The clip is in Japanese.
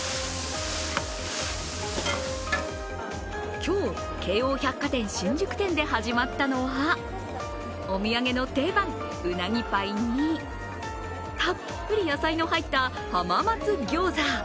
今日、京王百貨店新宿店で始まったのはお土産の定番・うなぎパイにたっぷり野菜の入った浜松餃子。